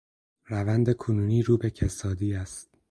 روند کنونی رو به کسادی است.